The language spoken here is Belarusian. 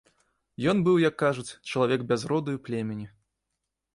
Ён быў, як кажуць, чалавек без роду і племені.